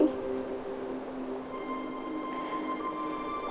aku merasa sendiri